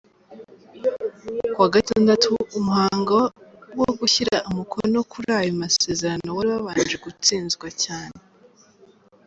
Kuwa gatandatu, umuhango wo gushyira umukono kuri ayo masezerano wari wabanje gutsinzwa cyane.